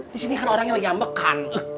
di sini kan orangnya lagi yang bekan